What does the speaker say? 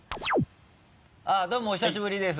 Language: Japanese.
あぁどうもお久しぶりです。